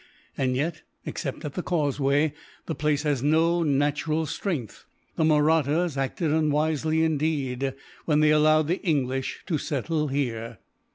And yet, except at the causeway, the place has no natural strength. The Mahrattas acted unwisely, indeed, when they allowed the English to settle here."